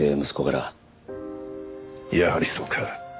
やはりそうか。